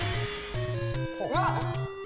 うわっ！